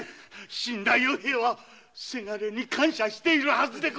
死んだ与兵衛はせがれに感謝しているはずです。